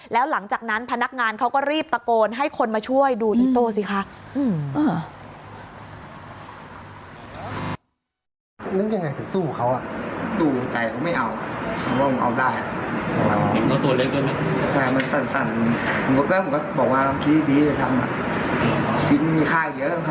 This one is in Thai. แล้วหลังจากนั้นพนักงานเขาก็รีบตะโกนให้คนมาช่วยดูอีโต้สิคะ